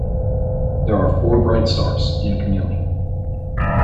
There are four bright stars in Chamaeleon.